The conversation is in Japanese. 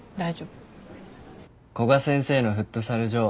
古賀先生のフットサル場